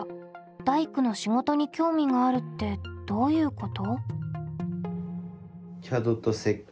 「大工の仕事に興味がある」ってどういうこと？